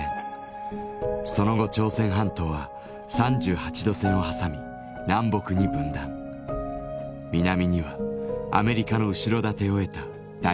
その後朝鮮半島は３８度線を挟み南北に分断南にはアメリカの後ろ盾を得た大韓民国。